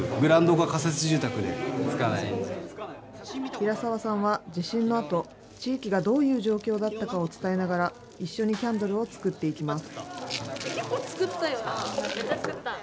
平澤さんは地震のあと、地域がどういう状況だったかを伝えながら、一緒にキャンドルを作っていきます。